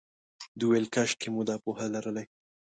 دوی ویل کاشکې موږ دا پوهه لرلای.